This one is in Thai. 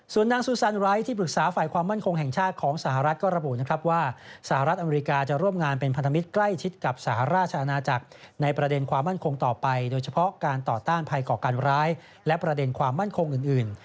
ส่วนนางซูซันไร้ที่ปรึกษาฝ่ายความมั่นคงแห่งชาติของสหรัฐก็ระบุนะครับว่าสหรัฐอเมริกาจะร่วมงานเป็นพันธมิตรใกล้ชิดกับสหราชอาณาจักรในประเด็นความมั่นคงต่อไปโดยเฉพาะการต่อต้านภัยก่อการร้ายและประเด็นความมั่นคงอื่น